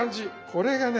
これがね